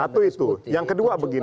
satu itu yang kedua begini